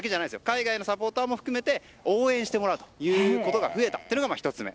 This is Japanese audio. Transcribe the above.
海外のサポーター含めて応援してもらうことが増えたのが１つ目。